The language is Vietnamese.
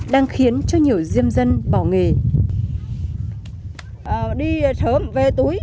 đang khiến cho nhiều diêm dân bỏ nghề